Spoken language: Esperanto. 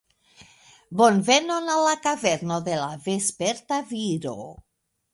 Bonvenon al la kaverno de la Vesperta Viro